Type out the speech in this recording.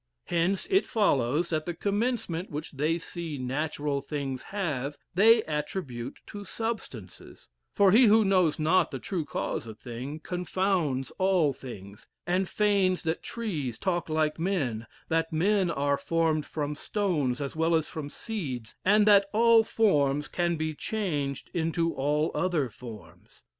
Hence it follows, that the commencement which they see natural things have, they attribute to substances; for he who knows not the true cause of things, confounds all things, and feigns that trees talk like men; that men are formed from stones as well as from seeds, and that all forms can be changed into all other forms.